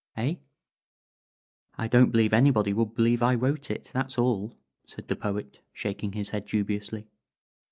Eh?" "I don't believe anybody would believe I wrote it, that's all," said the Poet, shaking his head dubiously.